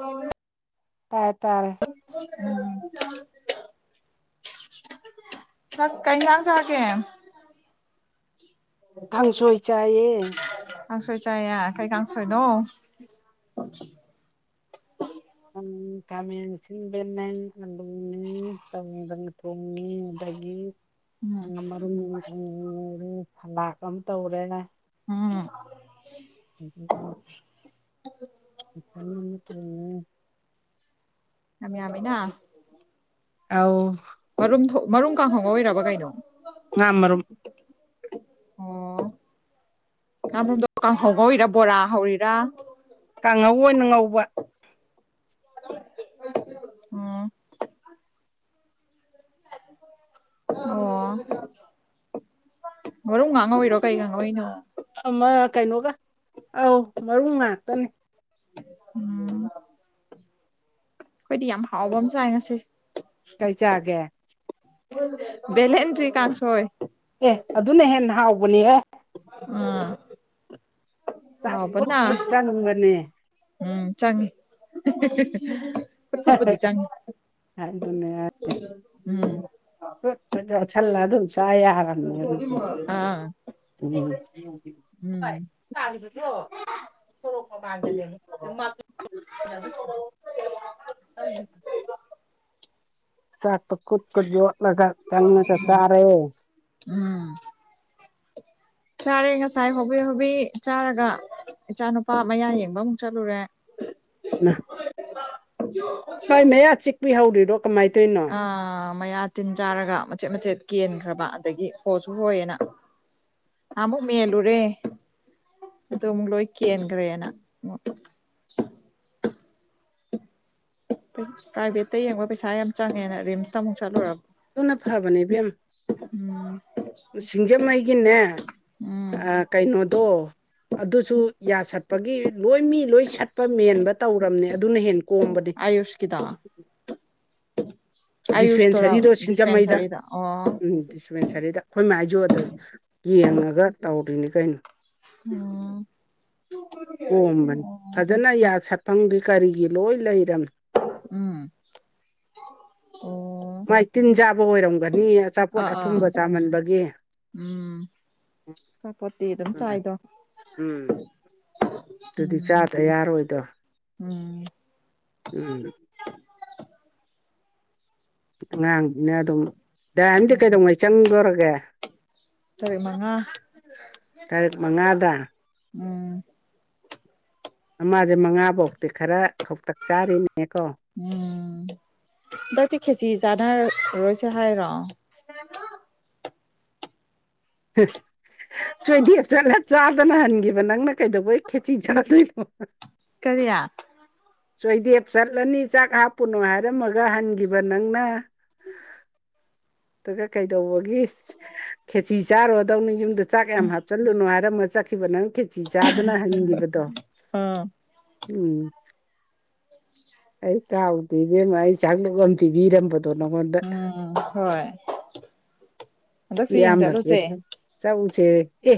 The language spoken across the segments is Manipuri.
ꯑꯣ ꯇꯥꯏ ꯇꯥꯔꯦ ꯎꯝ ꯆꯥꯛ ꯀꯩ ꯌꯦꯡꯖꯥꯡ ꯆꯥꯒꯦ ꯀꯥꯡꯁꯪꯏ ꯆꯥꯍꯦ ꯀꯥꯡꯁꯣꯏ ꯆꯥꯌꯦꯏ ꯀꯩ ꯀꯥꯡꯁꯪꯏ ꯅꯪ ꯎꯪ ꯈꯥꯃꯦꯟꯑꯁꯤꯟꯕꯅꯦ ꯑꯗꯒꯤ ꯀꯪꯗꯪ ꯊꯣꯡꯉꯤ ꯑꯗꯒꯤ ꯎꯝ ꯉꯥ ꯃꯔꯨꯝ ꯃꯔ ꯉꯧꯔꯦ ꯐꯂꯥꯛ ꯑꯃ ꯇꯧꯔꯦ ꯎꯝ ꯑꯗꯨꯒ ꯏꯊꯟ ꯊꯣꯡꯉꯤ ꯉꯃꯤꯅ ꯑꯥꯎ ꯃꯔꯨꯝ ꯊ‌ꯣ ꯃꯔꯨꯝ ꯀꯥꯡꯉꯧ ꯉꯧꯔꯤꯔꯕ ꯀꯩꯅꯣ ꯉꯥ-ꯃꯔꯨꯝ ꯑꯣ ꯉꯔꯣꯝꯗꯣ ꯀꯥꯡꯍꯧ ꯉꯧꯔꯤꯔ ꯕꯣꯔꯥ ꯍꯧꯔꯤꯔ ꯀꯥꯡꯍꯧ ꯑꯣꯏꯅ ꯉꯧꯕ ꯎꯝ ꯑꯣ ꯃꯔꯨꯝ ꯉꯥꯛ ꯉꯧꯔꯤꯔꯣ ꯀꯩꯒꯉꯧꯏꯅ‌ꯣ ꯑꯃ ꯀꯩꯅꯣꯒ ꯑꯧ ꯃꯔꯨ ꯉꯥꯛꯇꯅꯤ ꯎꯝ ꯑꯩꯈꯣꯏꯗꯤ ꯌꯥꯝ ꯍꯥꯎꯕ ꯑꯃ ꯆꯥꯏ ꯉꯁꯤ ꯀꯩ ꯆꯥꯒꯦ ꯕꯦꯂꯦꯟꯗ꯭ꯔꯤ ꯀꯥꯛꯁ‌ꯣꯏ ꯑꯦ ꯑꯗꯨꯅ ꯍꯦꯟꯅ ꯍꯥꯎꯕꯅꯤ ꯑꯦ ꯑꯥ ꯆꯛ ꯐꯨꯠ ꯐꯨꯠ ꯆꯪꯕꯅ‌ꯦ ꯎꯝ ꯆꯪꯉꯤ ꯍꯥ ꯐꯨꯠ-ꯐꯨꯠꯄꯨꯗꯤ ꯆꯪꯉꯤ ꯎꯝ ꯀꯨꯠ-ꯀꯨꯠ ꯌ‌ꯣꯠꯁꯜ ꯂ ꯑꯗꯨꯝ ꯆꯥ ꯌꯔꯕꯅꯦ ꯑꯗꯨꯗꯤ ꯑꯥ ꯎꯝ [unintelligible] [unintelligible] ꯆꯥꯛ ꯇ‌ꯣ ꯀꯨꯠ-ꯀꯨꯠ ꯌ‌ꯣꯠꯂꯒ ꯆꯪꯑꯒ ꯆꯥꯔ‌ꯣ ꯎꯝ ꯆꯥꯔꯦ ꯉꯁꯥ꯭ꯏ ꯍꯣꯕꯤ ꯍꯣꯕꯤ ꯆꯥ꯭ꯔꯒ ꯏꯆꯥ ꯅꯨꯄꯥ ꯃꯌꯥ ꯌꯦꯡꯕ ꯑꯃꯨꯛ ꯆꯠꯂꯨꯔꯦ ꯃꯍꯥ ꯃꯥꯏ ꯃꯌꯥ ꯆꯤꯛꯄꯤ ꯍꯧꯔꯤꯔꯣ ꯀꯃꯥꯏ ꯇꯩꯅꯣ ꯑ ꯃꯌꯥ ꯇꯤꯟ ꯆꯥꯔꯒ ꯃꯆꯦꯠ ꯃꯆꯦꯠ ꯀꯦꯟꯈ꯭ꯔꯕ ꯑꯗꯒꯤ ꯍꯣꯁꯨ ꯍꯣꯏꯌꯦꯅ ꯑꯃꯨꯛ ꯃꯦꯜꯂꯨꯔꯦ ꯑꯗꯨ ꯑꯃꯨꯛ ꯂꯣꯏ ꯀꯦꯟꯒ꯭ꯔ‌ꯦꯅ ꯄ꯭ꯔꯥꯏꯚꯦꯠꯇ ꯌꯦꯡꯕ ꯄꯩꯁꯥ ꯌꯥꯝ ꯆꯪꯉꯦꯅ ꯔꯤꯝꯁꯇ ꯑꯃꯨꯛ ꯆꯠꯂꯨꯔꯕ ꯇꯨꯅ ꯐꯕꯅꯦ ꯏꯕꯦꯝ ꯎꯝ ꯁꯤꯡꯖꯃꯩꯒꯤꯅꯦ ꯎꯝ ꯑ ꯀꯩꯅꯣꯗꯣ ꯑꯗꯨꯁꯨ ꯌꯥ ꯁꯠ ꯄꯒꯤ ꯂꯣꯏ ꯃꯤ ꯂꯣꯏ ꯁꯠꯄ ꯃꯦꯟꯕ ꯇꯧꯔꯝꯅꯦ ꯑꯗꯨꯅ ꯍꯦꯞ ꯀꯣꯝꯕꯅꯦ ꯑꯌꯨꯁꯀꯤꯗꯣ [inaudible] ꯗꯤꯁꯄꯦꯟꯁꯔꯤꯗꯣ ꯁꯤꯡꯖꯃꯩꯗ ꯗꯤꯁꯄꯦꯟꯁꯔꯤꯗꯣ ꯑꯣ ꯎꯝ ꯗꯤꯁ ꯄꯦꯟꯁꯔꯤꯗ ꯑꯩꯈꯣꯏ ꯃꯥꯏꯖꯣ ꯑꯗ ꯌꯦꯡꯉꯒ ꯇꯧꯔꯤꯅꯤ ꯀꯩꯅꯣ ꯎꯝ ꯑꯣ ꯑꯗꯨꯅ ꯌꯥ ꯁꯠ ꯐꯪꯒꯤ ꯀꯔꯤꯒꯤ ꯂꯣꯏ ꯂꯩꯔꯝ ꯎꯝ ꯑꯣ ꯃꯥꯏ ꯇꯤꯟ ꯆꯥꯕ ꯑꯣꯏꯔꯝꯒꯅꯤ ꯑꯆꯥꯄꯣꯠ ꯑꯥ ꯑꯥ ꯑꯊꯨꯝꯕ ꯆꯥꯃꯟꯕꯒꯤ ꯆꯥꯄ‌ꯣꯠꯇꯤ ꯑꯗꯨꯝ ꯎꯝ ꯆꯥꯏꯗꯣ ꯗꯨꯗꯤ ꯎꯝ ꯆꯥꯗ ꯌꯥꯔꯣꯏꯗꯣ ꯎꯝ ꯎꯝ ꯑꯉꯥꯡꯅꯤꯅ ꯑꯗꯨꯝ ꯗꯥꯏꯝꯗꯤ ꯎꯝ ꯀꯩꯗꯧꯉꯩ ꯆꯪꯗꯣꯔꯒꯦ ꯇꯥꯔꯤꯛ ꯃꯉꯥ ꯇꯥꯔꯤꯛ ꯃꯉꯥꯗ ꯎꯝ ꯃꯃꯥꯖ‌ꯦ ꯃꯉꯥꯐꯧꯇꯤ ꯈꯔ ꯈꯧꯇꯛ ꯆꯥꯔꯤꯅꯤꯅꯦꯀꯣ ꯎꯝ ꯗꯥꯛꯗꯤ ꯈꯦꯖꯤ ꯆꯅ ꯔꯣꯏꯁꯦ ꯍꯥꯏ ꯔꯣ ꯐ ꯆꯣꯏꯗꯤꯞ ꯆꯠꯂ ꯆꯥꯗꯅ ꯍꯟꯈꯤꯕ ꯅꯪꯅ ꯀꯩꯗꯧꯕꯩ ꯈꯦꯆꯤ ꯆꯥꯗꯣꯏꯅꯣ ꯀꯔꯤꯌꯥ ꯆꯣꯏꯗꯦꯞ ꯆꯠꯂꯅꯤ ꯆꯥꯛ ꯍꯥꯞꯄꯨꯅꯣ ꯍꯥꯏꯔꯝꯃꯒ ꯍꯟꯈꯤꯕ ꯅꯪꯅ ꯑꯗꯨꯒ ꯀꯩꯗꯧꯕꯒꯤ ꯈꯦꯆꯤ ꯆꯥꯔꯣꯗꯧꯅ ꯌꯨꯝꯗ ꯆꯥꯛ ꯌꯥꯝ ꯍꯥꯞꯆꯤꯜꯂꯨꯅꯣ ꯍꯥꯏꯔꯝꯃ ꯆꯠꯈꯤꯕ ꯅꯪ ꯈꯦꯆꯤ ꯆꯥꯗꯅ ꯍꯟꯈꯤꯕꯗꯣ ꯎꯝ ꯑꯩ ꯀꯥꯎ ꯄꯤꯕꯦꯝꯃ ꯑꯩ ꯆꯥꯛꯂꯨ ꯑꯃ ꯄꯤꯕꯤꯔꯝꯕꯗꯣ ꯅꯪꯉꯣꯟꯗ ꯎꯝ ꯍꯣꯏ ꯀ ꯍꯟꯗꯛꯁꯨ ꯌꯦꯡ ꯌꯥꯝ ꯔꯛꯄ ꯆꯠꯂꯨꯁꯦ ꯆꯧꯁꯦ ꯑꯦ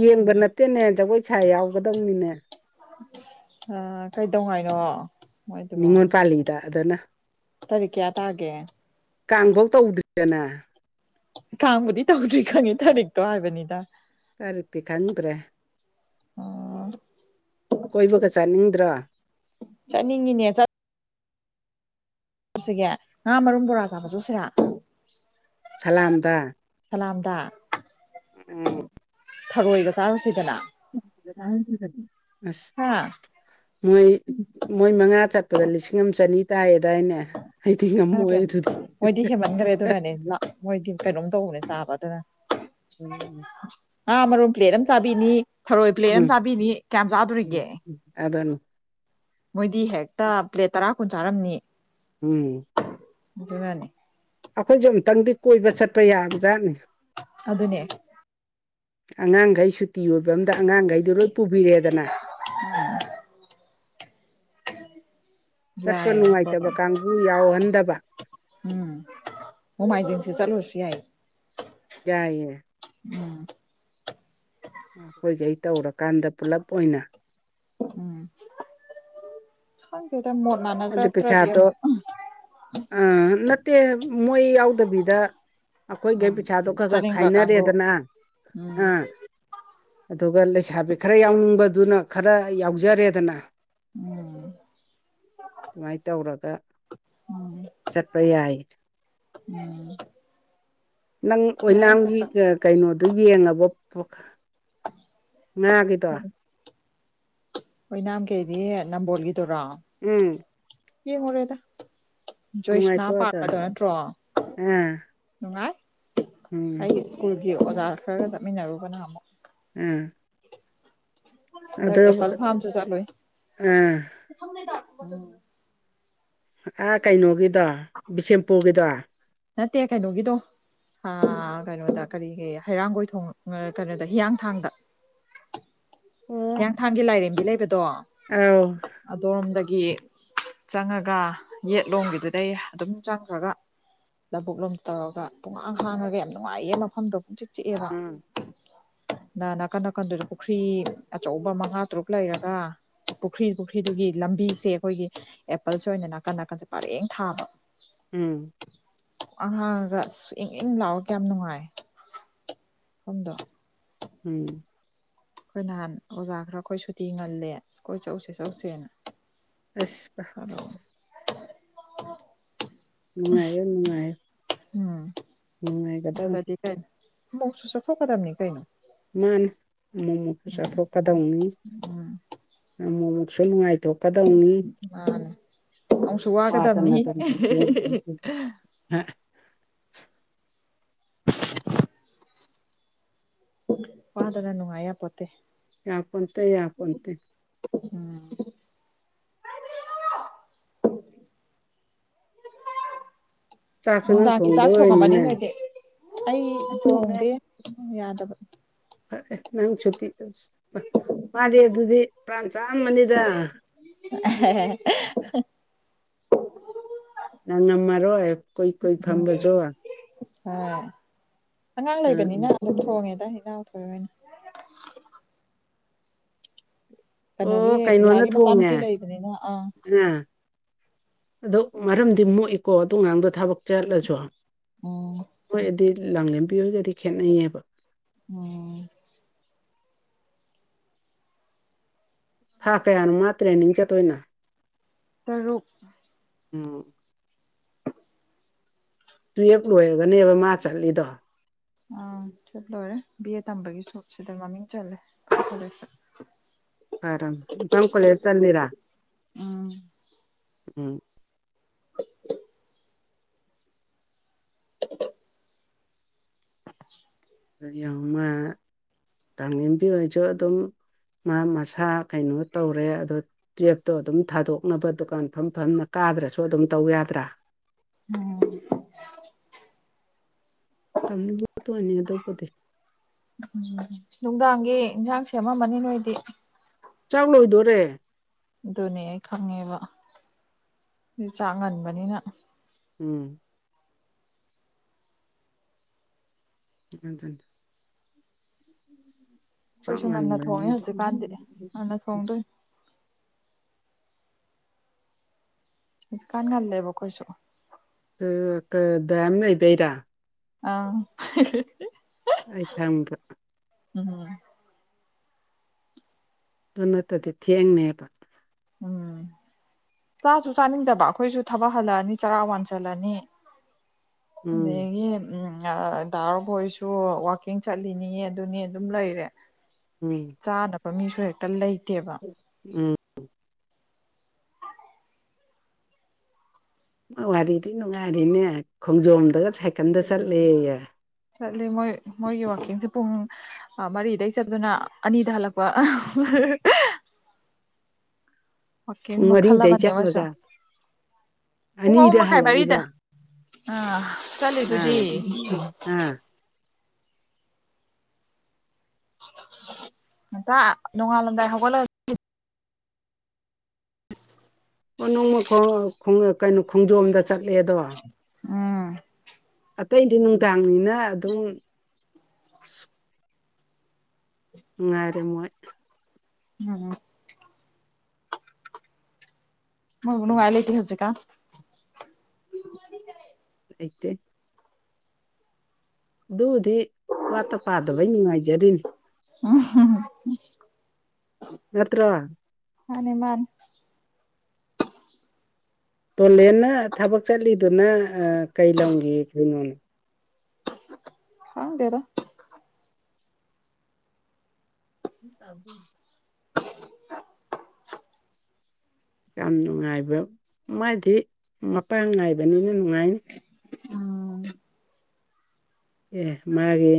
ꯌꯦꯡꯕ ꯅꯠꯇꯦꯅꯦ ꯖꯒꯣꯏ ꯁꯥ ꯌꯥꯎꯒꯗꯧꯅꯤꯅꯦ ꯑ ꯀꯩꯗꯧꯉ ꯍꯥꯏꯅꯣ ꯅꯤꯉꯣꯜ ꯄꯥꯜꯂꯤꯗ ꯑꯗꯨꯅ ꯇꯔꯤꯀꯦ ꯇꯑꯦ ꯀꯥꯡꯐꯧ ꯇꯧꯗ꯭ꯔꯤꯗꯅ ꯀꯥꯡꯕꯨꯗꯤ ꯇꯧꯗ꯭ꯔꯤ ꯈꯪꯉꯦ ꯊꯔꯤꯛꯇꯣ ꯍꯥꯏꯕꯅꯤꯗ ꯀꯔꯤꯗꯤ ꯈꯪꯗ꯭ꯔꯦ ꯑꯣ ꯀꯣꯏꯕꯒ ꯆꯥꯅꯤꯡꯗ꯭ꯔꯣ ꯆꯠꯅꯤꯡꯉꯤꯅꯦ ꯆꯠ ꯆꯁꯤꯒꯦ ꯉꯥ ꯃꯔꯨꯝ ꯕꯣꯔꯥ ꯆꯥꯕ ꯆ ꯎꯁꯤꯔ ꯁꯂꯥꯝꯗ ꯁꯥꯂꯥꯝꯗꯥ ꯊꯔꯣꯏꯒ ꯆꯥꯔꯨꯁꯤꯗꯅ ꯑꯁ ꯍꯥ ꯃꯣꯏ ꯃꯣꯏ ꯃꯉꯥ ꯆꯠꯄꯗ ꯂꯤꯁꯤꯡ ꯑꯃ ꯆꯅꯤ ꯇꯥꯏꯌꯦ ꯑꯗꯨꯏꯅꯦ ꯑꯩꯗꯤ ꯉꯝꯃꯣꯏ ꯑꯗꯨꯗꯤ ꯃꯣꯏꯗꯤ ꯍꯦꯃꯟꯈ꯭ꯔꯦ ꯑꯗꯨꯅꯅꯦ ꯃꯣꯏꯗꯤ ꯀꯩꯅꯣꯝ ꯇꯧꯕꯅꯦ ꯆꯥꯕꯗꯅ ꯎꯝ ꯉꯥ ꯃꯔꯨꯝ ꯄ꯭ꯂꯦꯠ ꯑꯃ ꯆꯥꯕꯤꯅꯤ ꯊꯔꯣꯏ ꯄ꯭ꯂꯦꯠ ꯑꯃ ꯆꯥꯕꯤꯅꯤ ꯀꯌꯥꯝ ꯆꯥꯗꯣꯔꯤꯒꯦ ꯑꯗꯅꯤ ꯃꯣꯏꯗꯤ ꯍꯦꯛꯇ ꯄ꯭ꯂꯦꯠ ꯇꯔꯥ ꯀꯨꯟ ꯆꯥꯔꯝꯅꯤ ꯎꯝ ꯑꯗꯨꯅꯅꯤ ꯑꯩꯈꯣꯏꯁꯨꯦ ꯑꯃꯨꯛꯇꯪꯗꯤ ꯀꯣꯏꯕ ꯆꯠꯄ ꯌꯥꯕ ꯖꯥꯠꯅꯤ ꯑꯗꯨꯅꯦ ꯑꯉꯥꯡꯈꯩ ꯁꯨꯇꯤ ꯑꯣꯏꯕ ꯑꯃꯗ ꯑꯉꯥꯡꯈꯩꯗꯨ ꯂꯣꯏ ꯄꯨꯕꯤꯔꯦꯗꯅ ꯎꯝ ꯆꯠꯄ ꯅꯨꯡꯉꯥꯏꯇꯕ ꯀꯥꯡꯕꯨ ꯌꯥꯎꯍꯟꯗꯕ ꯎꯝ ꯅꯣꯡꯃꯥꯏꯖꯤꯡ ꯁꯤ ꯆꯂꯁꯤ ꯌꯥꯏ ꯌꯥꯏꯌꯦ ꯎꯝ ꯑꯩꯈꯣꯏꯁꯦ ꯑꯩ ꯇꯧꯔꯀꯥꯟꯗ ꯄꯨꯂꯞ ꯑꯣꯏꯅ ꯎꯝ ꯈꯪꯗꯦ ꯗ ꯃꯣꯠ ꯃꯅꯥꯔꯛꯇꯔꯗꯤ ꯑ ꯅꯠꯇꯦ ꯃꯣꯏ ꯌꯥꯎꯗꯕꯤꯗ ꯑꯩꯈꯣꯏꯒꯩ ꯎꯝ ꯄꯩꯁꯥꯗꯣ ꯈꯔ ꯈꯔ ꯆꯠꯅꯤꯡꯕ ꯀꯥꯡꯕꯨ ꯈꯥꯏꯅꯔꯦꯗꯅ ꯎꯝ ꯑꯥ ꯑꯗꯨꯒ ꯂꯩꯁꯥꯕꯤ ꯈꯔ ꯌꯥꯎꯅꯤꯡꯕꯗꯨꯅ ꯈꯔ ꯌꯥꯎꯖꯔꯦꯗꯅ ꯎꯝ ꯑꯗꯨꯃꯥꯏꯅ ꯇꯧꯔꯒ ꯆꯠꯄ ꯌꯥꯏ ꯎꯝ ꯅꯪ ꯑꯣꯏꯅꯥꯝꯒꯤ ꯀꯩꯅꯣꯗꯨ ꯌꯦꯡꯉꯕꯣ ꯉꯥꯒꯤꯗꯣ ꯑꯣꯏꯅꯥꯝ ꯒꯤꯗꯤ ꯅꯝꯕꯣꯜꯒꯤꯗꯨꯔꯥ ꯎꯝ ꯌꯦꯡꯉꯨꯔꯦꯗ ꯖꯣꯏꯁꯅꯥ ꯅꯨꯡꯉꯥꯏꯇ꯭ꯔꯣ ꯑꯗꯣ ꯄꯥꯗ ꯅꯠꯇ꯭ꯔꯣ ꯑꯥ ꯅꯨꯡꯉꯥꯏ ꯎꯝ ꯑꯩꯒꯤ ꯁ꯭ꯀꯨꯜꯒꯤ ꯑꯣꯖꯥ ꯈꯔꯒ ꯆꯠꯃꯤꯟꯅꯔꯨꯕꯅ ꯑꯃꯨꯛ ꯎꯝ ꯑꯦꯄꯄꯜ ꯐꯥꯝꯁꯨ ꯆꯂꯨ ꯑꯥ ꯑ ꯀꯩꯅꯣꯒꯤꯗꯣ ꯕꯤꯁꯦꯝꯄꯨꯔꯒꯤꯗꯣ ꯅꯠꯇꯦ ꯀꯩꯅꯣꯒꯤꯗꯣ ꯀꯩꯅꯣꯗ ꯀꯔꯤꯒꯤ ꯍꯩꯔꯥꯡꯒꯣꯏ ꯊꯣꯡ ꯀꯩꯅꯣꯗ ꯍꯤꯌꯥꯡꯊꯥꯡꯗ ꯍꯤꯌꯥꯡꯊꯥꯡꯒꯤ ꯂꯥꯏꯔꯦꯝꯕꯤ ꯂꯩꯕꯗꯣ ꯑ ꯑꯗꯔꯣꯝꯗꯒꯤ ꯆꯪꯉꯒ ꯌꯦꯠꯂꯣꯝꯒꯤꯗꯨꯗꯩ ꯑꯗꯨꯝ ꯆꯪꯈ꯭ꯔꯒ ꯂꯕꯨꯛ ꯂꯣꯝ ꯇꯧꯔꯒ ꯄꯨꯡꯍꯥꯡ ꯍꯥꯡꯉꯒ ꯌꯥꯝ ꯅꯨꯡꯉꯥꯏꯌꯦ ꯃꯐꯝꯗꯣ ꯄꯨꯡ ꯆꯤꯛ ꯆꯤꯛꯑꯦꯕ ꯎꯝ ꯅ ꯅꯥꯀꯟ ꯅꯥꯀꯟꯗꯨꯗ ꯄꯨꯈ꯭ꯔꯤ ꯑꯆꯧꯕ ꯃꯉꯥ ꯇꯔꯨꯛ ꯂꯩꯔꯒ ꯄꯨꯈ꯭ꯔꯤ ꯄꯨꯈ꯭ꯔꯤꯗꯨꯒꯤ ꯂꯝꯕꯤꯁꯦ ꯑꯩꯈꯣꯏꯒꯤ ꯑꯦꯄꯜꯁ ꯑꯣꯏꯅ ꯅꯥꯀꯟ ꯅꯥꯀꯟꯁꯦ ꯄꯔꯦꯡ ꯊꯥꯕ ꯎꯝ ꯑꯍꯥꯡꯉꯒ ꯑ ꯏꯪ ꯏꯟ ꯂꯥꯛꯑꯣ ꯀꯌꯥꯝ ꯅꯨꯡꯉꯥꯏ ꯁꯣꯝꯗꯣ ꯎꯝ ꯑꯩꯈꯣꯏ ꯅꯍꯥꯟ ꯑꯣꯖꯥ ꯈꯔ ꯑꯩꯈꯣꯏ ꯁꯨꯇꯤ ꯉꯜꯂꯦ ꯀꯣꯏ ꯆꯧꯁꯦ ꯆꯧꯁꯦꯅ ꯑꯁꯄ ꯑꯗꯣ ꯎꯅꯨꯡꯉꯥꯏꯅꯨꯡꯉ ꯎꯝ ꯅꯨꯡꯉꯥꯏꯒꯗꯪ ꯃꯧꯁꯨ ꯊꯧꯀꯥꯗꯝꯅꯤ ꯀꯥꯏꯅ ꯃꯥꯅꯦ ꯃꯣꯃꯣ ꯄꯩꯁꯥ ꯊꯣꯛ ꯀꯗꯧꯅꯤ ꯑꯃꯨ ꯑꯃꯨꯛꯁꯨ ꯅꯨꯡꯉꯥꯏꯊꯣꯛꯀꯗꯧꯅꯤ ꯃꯥꯅꯦ ꯑꯃꯨꯛꯁꯨ ꯋꯥꯗꯅ ꯋꯥꯒꯗꯝꯕꯅꯤ ꯍ ꯋꯥꯗꯗꯅꯅꯨꯡ ꯑꯌꯥ ꯄꯠꯇꯦ ꯌꯥꯎꯄꯟꯇꯦ ꯌꯥꯎ ꯀꯟꯇꯦ ꯎꯝ [inaudible] ꯆꯥꯛꯁꯨ ꯅꯪ ꯅꯨꯡꯗꯥꯡꯒꯤ ꯆꯥꯛ ꯊꯣꯡꯗꯣꯏ ꯊꯣꯡꯉꯝꯃꯅꯤ ꯑꯣꯏꯅꯤꯅꯦ ꯅꯣꯏꯗꯤ ꯑꯩ ꯊꯣꯡꯉꯦ ꯊꯣꯡꯗꯦ ꯌꯥꯗꯕ ꯐꯔꯦ ꯅꯪ ꯁꯨꯇꯤ ꯑ ꯃꯥꯗꯤ ꯑꯗꯨꯗꯤ ꯄ꯭ꯔꯥꯟ ꯆꯥꯝꯃꯅꯤꯗ [unintelligible] ꯅꯪ ꯉꯝꯃꯔꯣꯏ ꯀꯣꯏ ꯀꯣꯏ ꯎꯝ ꯐꯝꯕꯁꯨ ꯍꯣꯏ ꯑꯉꯥꯡ ꯎꯝ ꯂꯩꯕꯅꯤꯅ ꯑꯗꯨꯝ ꯊꯣꯡꯉꯦꯗ ꯏꯅꯥꯎꯊꯣꯏ ꯑꯣꯏꯅ ꯑꯣ ꯀꯩꯅꯣꯒꯤ ꯀꯩꯅꯣꯅ ꯌꯥꯒꯤ ꯃ ꯆꯝ ꯊꯣꯡꯉꯦ ꯀꯂ ꯏꯅꯤꯅ ꯑ ꯑꯥ ꯑꯗꯣ ꯃꯔꯝꯗꯤ ꯃꯣꯛꯏꯀꯣ ꯑꯗꯨꯣꯉꯥꯡꯗꯣ ꯊꯕꯛ ꯆꯠꯂꯁꯨ ꯎꯝ ꯍꯣꯏꯗꯤ ꯂꯥꯡꯂꯦꯝꯦꯝꯕꯤ ꯍꯣꯏꯒꯗꯤ ꯈꯦꯠꯅꯩꯌꯦꯕ ꯑꯣ [unintelligible] ꯊꯥ ꯀꯌꯥꯅꯣ ꯃꯥ ꯇ꯭ꯔꯦꯅꯤꯡ ꯆꯠꯇꯣꯏꯅꯣ ꯇꯔꯨꯛ ꯎꯝ ꯇꯨꯌꯦꯞ ꯂꯣꯏꯔꯒꯅꯦꯕ ꯃꯥ ꯆꯠꯂꯤꯗꯣ ꯑꯪ ꯁꯞ ꯂꯣꯏꯔꯦ ꯕꯤ ꯑꯦ ꯇꯝꯕꯒꯤ ꯁꯣꯞꯁꯤꯗ ꯃꯃꯤꯡ ꯆꯜꯂꯦ ꯀꯣꯂꯦꯖꯇ ꯐꯔꯦ ꯏꯝꯐꯥꯡ ꯀꯣꯂꯦꯗ ꯆꯔꯥ ꯎꯝ ꯎꯝ [inaudible] ꯌꯥꯝꯃꯥꯡ ꯌꯦꯝꯄꯤ ꯑꯣꯏꯁꯨ ꯑꯗꯨꯝ ꯃꯁꯥ ꯀꯩꯅꯣ ꯇꯧꯔꯦ ꯑꯗꯨ ꯇꯨꯌꯦꯞꯇꯣ ꯑꯗꯨꯝ ꯊꯥꯗꯣꯛꯅꯕ ꯗꯨꯀꯥꯟ ꯐꯝ ꯐꯝꯅ ꯀꯥꯗ꯭ꯔꯁꯨ ꯑꯗꯨꯝ ꯇꯧ ꯌꯥꯗ꯭ꯔꯥ ꯎꯝ ꯀꯝ ꯋꯥꯅꯤꯗꯕꯨꯣ ꯎꯝ ꯅꯨꯡꯗꯥꯡꯒꯤ ꯏꯟꯁꯥꯡ ꯁꯦꯝꯃꯃꯅꯤ ꯅꯣꯏꯗꯤ ꯆꯥꯛ ꯂꯣꯏꯗꯣꯔꯦ ꯑꯗꯨꯅꯦ ꯑꯩ ꯈꯪꯉꯦꯕ ꯑꯗꯨ ꯆꯥꯡ ꯉꯟꯕꯅꯤꯅ ꯎꯝ ꯎ ꯑꯗꯨ ꯎꯝ ꯑꯩꯈꯣꯏꯁꯨ ꯉꯟꯅ ꯊꯣꯡꯉꯦ ꯍꯧꯖꯤꯛꯀꯥꯟꯗꯤ ꯉꯟꯅ ꯊꯣꯡꯗꯣꯏ ꯀꯥꯟꯒꯥꯟꯗ ꯂꯩꯦꯕꯣ ꯀꯣꯏꯁꯨ ꯗꯝ ꯂꯩꯕꯩꯔ ꯑꯥ [unintelligible] ꯑꯩ ꯊꯪꯕ ꯎꯝ ꯅꯅꯠꯇꯗꯤ ꯊꯦꯡꯡꯅꯦꯕ ꯎꯝ ꯆꯥꯁꯨ ꯆꯥꯅꯤꯡꯗꯕ ꯑꯩꯈꯣꯏꯁꯨ ꯊꯕꯛ ꯍꯜꯂꯛꯑꯅꯤ ꯆꯔꯥ ꯋꯥꯟꯁꯤꯜꯂꯅꯤ ꯎꯝ ꯑꯗꯨꯒꯤ ꯗꯥꯔꯈꯣꯏꯁꯨ ꯋꯀꯤꯡ ꯆꯠꯂꯤꯅꯤꯉ ꯑꯗꯨꯅꯤ ꯑꯗꯨꯝ ꯂꯩꯔꯦ ꯎꯝ ꯆꯥꯅꯕ ꯃꯤꯁꯨ ꯍꯦꯛꯇ ꯂꯩꯇꯦꯕ ꯎꯝ ꯋꯥꯔꯤꯗꯤ ꯅꯨꯡꯉꯥꯏꯔꯤꯅꯦ ꯈꯣꯡꯖꯣꯝꯗꯒ ꯁꯥꯏꯀꯜꯗ ꯆꯠꯂꯦꯌꯦ ꯆꯠꯂꯤ ꯃꯣꯏ ꯃꯣꯏꯒꯤ ꯋꯥꯛꯀꯤꯡꯁꯦ ꯄꯨꯡ ꯃꯔꯤꯗꯩ ꯆꯞꯗꯨꯅ ꯑꯅꯤꯗ ꯍꯜꯂꯛꯄ ꯋꯥꯛꯀꯤꯡ ꯎꯃꯔꯤ ꯃꯈꯜ ꯑꯃꯅꯦ ꯑꯃꯁꯨ ꯗꯩꯆꯥꯛꯂ ꯄꯨꯡ ꯑꯍꯨꯝ ꯑꯅꯤꯗ ꯃꯈꯥꯏ ꯃꯔꯤꯗ ꯍꯜꯂꯛꯏꯕ ꯑꯥ ꯑꯥ ꯆꯠꯂꯤꯗꯨꯗꯤ ꯎꯝ ꯇ ꯅꯨꯡꯉꯥ ꯂꯒꯥꯏ ꯍꯒꯂ ꯑꯣ ꯅꯣꯡꯃꯣꯡ ꯀꯩꯅꯣ ꯈꯣꯡꯖꯣꯝꯗ ꯆꯠꯂꯦ ꯑꯗꯣ ꯎꯝ ꯑꯇꯩꯗꯤ ꯅꯨꯡꯗꯥꯡꯅꯤꯅ ꯑꯗꯨꯝ ꯎꯉꯔꯦ ꯃ ꯎꯝ ꯃꯣꯏ ꯅꯨꯡꯉꯥꯏ ꯂ ꯂꯤꯇꯍ ꯍꯧꯖꯤ ꯀꯥ ꯑꯩꯦ ꯑꯗꯨꯕꯨꯗꯤ ꯋꯥꯠꯇ ꯄꯥꯗꯕꯩ ꯅꯨꯡꯉꯥꯏꯖꯔꯤꯅꯤ ꯎ ꯅꯠꯇ꯭ꯔ ꯍꯅꯃꯥꯟ ꯇꯣꯂꯦꯟꯅ ꯊꯕꯛ ꯆꯠꯂꯤꯗꯨꯅ ꯀꯩ ꯂꯝꯒꯤ ꯀꯩꯅꯣꯅꯦ ꯍꯥ ꯗꯦꯗ ꯆꯕꯨꯨ ꯌꯥꯝ ꯅꯨꯡꯉꯥꯏꯕ ꯃꯥꯗꯤ ꯃꯄꯥꯡ ꯉꯥꯏꯕꯅꯤꯅ ꯅꯨꯡꯉꯥꯏꯅꯤ ꯎꯝ ꯑꯦ ꯃꯥꯒꯤ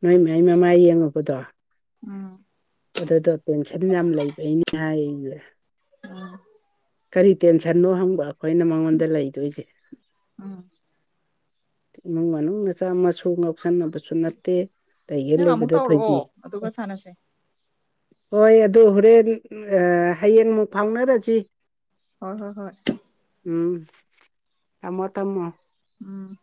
ꯅꯣꯏ ꯃꯃꯥ ꯌꯦꯡꯉꯨꯕꯗꯣ ꯎꯝ ꯑꯗꯨꯗꯣ ꯇꯦꯟꯁꯟ ꯌꯥꯝ ꯂꯩꯕꯩꯅꯦ ꯍꯥꯏꯁꯦ ꯀꯔꯤ ꯇꯦꯟꯁꯟꯅꯣ ꯍꯪꯕ ꯑꯩꯈꯣꯏꯅ ꯃꯉꯣꯟꯗ ꯂꯩꯗꯣꯏꯁꯦ ꯎꯝ ꯏꯃꯨꯡ ꯃꯅꯨꯡ ꯃꯆꯥ ꯃꯁꯨ ꯉꯥꯎꯁꯟꯅꯕꯁꯨ ꯅꯠꯇꯦ ꯂꯩꯒꯦ ꯅꯪ ꯑꯃꯨꯛ ꯂꯩꯕꯗ ꯊꯣꯏꯕꯤ ꯇꯧꯔꯛꯑꯣ ꯑꯗꯨꯒ ꯁꯥꯟꯅꯁꯦ ꯍꯣꯏ ꯑꯗꯨ ꯍꯣꯔꯦꯟ ꯍꯌꯦꯡ ꯑꯃꯨꯛ ꯐꯥꯎꯅꯔꯁꯤ꯫ ꯍꯣꯏ ꯍꯣꯏ ꯍꯣꯏ꯫ ꯎꯝ ꯇꯝꯃꯣ ꯇꯝꯃꯣ꯫ ꯎꯝ꯫